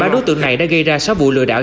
ba đối tượng này đã gây ra sáu vụ lừa đảo